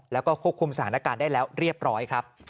แล้วก็ควบคุมสถานการณ์ได้แล้วเรียบร้อยครับ